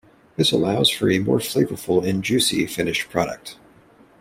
This allows for a more flavorful and juicy finished product.